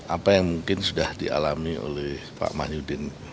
apa yang mungkin sudah dialami oleh pak mah yudin